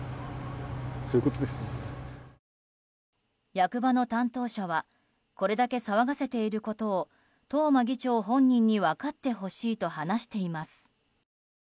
役場の担当者はこれだけ騒がせていることを東間議長本人に分かってほしいと話しています。